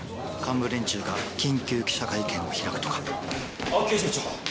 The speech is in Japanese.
幹部連中が緊急記者会見を開くとか。